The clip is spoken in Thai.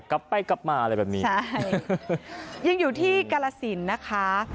กลับไปกลับมาอะไรแบบนี้ใช่ยังอยู่ที่กาลสินนะคะ